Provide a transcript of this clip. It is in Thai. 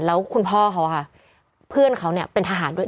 แล้วคุณพ่อเขาค่ะเพื่อนเขาเนี่ยเป็นทหารด้วย